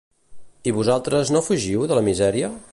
I vosaltres no fugíeu de la misèria?